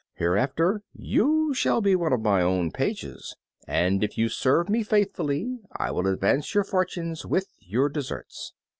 Hereafter you shall be one of my own pages, and if you serve me faithfully I will advance your fortunes with your deserts."